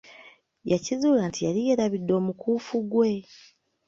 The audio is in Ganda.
Yakizuula nti yali yeerabbidde omukuufu gwe!